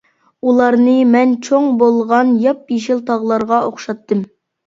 ئۇلارنى مەن چوڭ بولغان ياپيېشىل تاغلارغا ئوخشاتتىم.